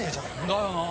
だよな。